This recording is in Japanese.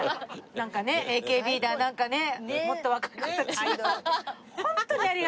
なんかねＡＫＢだなんかねもっと若い子たちが。